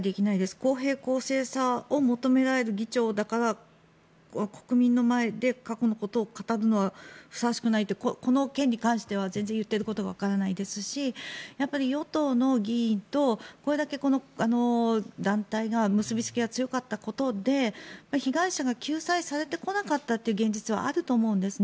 公平、公正さを求められる議長だから国民の前で過去のことを語るのはふさわしくないとこの件に関しては言っていることがわからないですし与党の議員とこれだけこの団体の結びつきが強かったことで被害者が救済されてこなかった現実はあると思うんです。